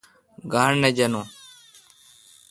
گاݨڈ نہ جانون۔